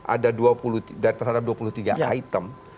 ada dua puluh terhadap dua puluh tiga item